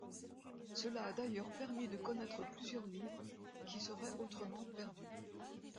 Cela a d'ailleurs permis de connaître plusieurs livres qui seraient autrement perdus.